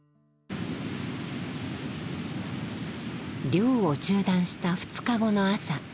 漁を中断した２日後の朝。